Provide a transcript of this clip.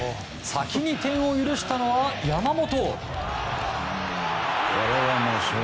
先に点を許したのは山本。